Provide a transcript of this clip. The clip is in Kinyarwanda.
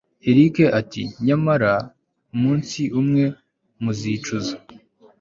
erick ati nyamara umunsi umwe muzicuza